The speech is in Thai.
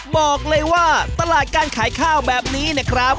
บอกเลยว่าตลาดการขายข้าวแบบนี้นะครับ